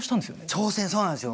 挑戦そうなんですよ。